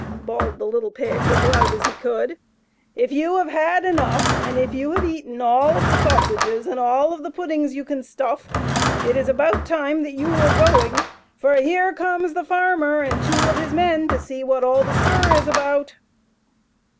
bawled the little pig, as loud as he could, " if you have had enough, and if you have eaten all of the sausages and all of the pud dings you can stuff, it is about time that you were going, for here comes the farmer and two of his men to see what all the stir is about."